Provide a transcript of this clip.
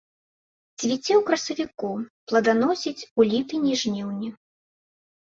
Цвіце ў красавіку, плоданасіць у ліпені-жніўні.